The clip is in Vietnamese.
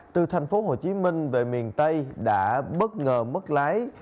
từ thành phố hồ chí minh về miền tây đã bất ngờ mất lái